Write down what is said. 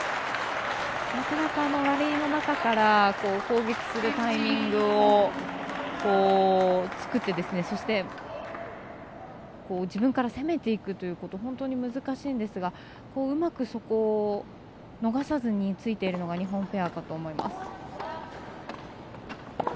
なかなかラリーの中から攻撃するタイミングを作って、そして自分から攻めていくということ本当に難しいんですがうまくそこを逃さずについているのが日本ペアかと思います。